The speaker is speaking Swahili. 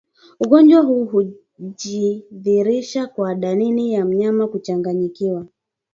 Ugonjwa huu hujidhihirisha kwa dalili ya mnyama kuchanganyikiwa